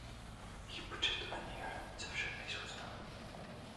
Jejich počet ani hranice však nejsou známy.